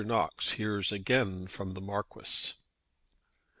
KNOX HEARS AGAIN FROM THE MARQUIS.